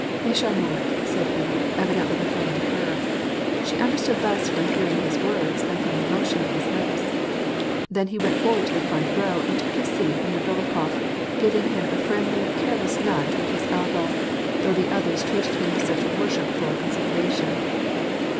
" Mais charmante" said he, evidently referring to her. She understood less from hearing his words than from the motion of his lips. Then he went forward to the front row and took his seat near Dolokhof, giving him a friendly, careless nudge with his elbow, though the others treated him with such worshipful con sideration.